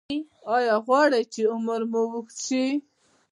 ایا غواړئ چې عمر مو اوږد شي؟